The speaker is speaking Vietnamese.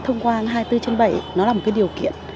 thông quan hai trăm bốn mươi bảy là một điều kiện